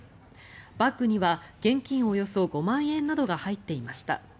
バッグには現金およそ５万円などが入っていました。